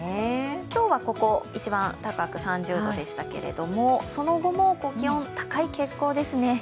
今日は一番高く３０度でしたけれども、その後も気温高い傾向ですね。